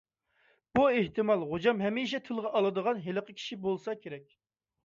بۇ ئېھتىمال غوجام ھەمىشە تىلغا ئالىدىغان ھېلىقى كىشى بولسا كېرەك.